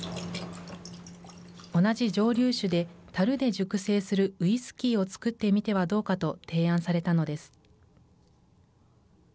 同じ蒸留酒で、たるで熟成するウイスキーを造ってみてはどうかと提案されたのです。